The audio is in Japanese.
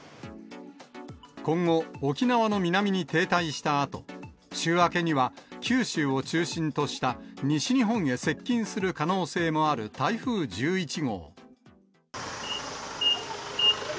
今後、沖縄の南に停滞したあと、週明けには九州を中心とした、西日本へ接近する可能性もある台風１１号。